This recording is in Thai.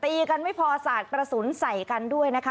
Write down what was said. กันไม่พอสาดกระสุนใส่กันด้วยนะคะ